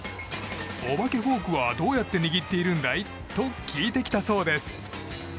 お化けフォークはどうやって握っているんだい？と聞いてきたそうです。